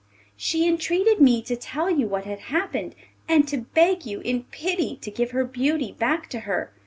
She entreated me to tell you what had happened, and to beg you, in pity, to give her beauty back to her.